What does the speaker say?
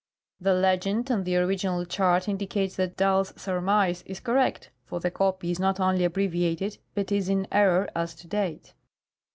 The legend on the original chart indicates that Dall's surmise is correct, for the copy is not only abbreviated, but is in error as to date.